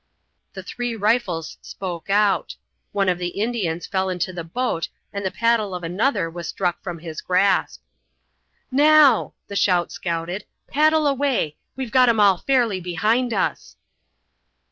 The three rifles spoke out; one of the Indians fell into the boat and the paddle of another was struck from his grasp. "Now," the scout shouted, "paddle away! We've got 'em all fairly behind us."